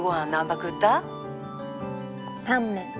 タンメン。